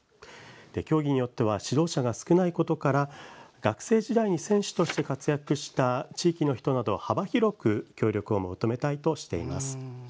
競技によっては指導者が少ないことから学生時代に選手として活躍した地域の人など幅広く協力を求めたいとしています。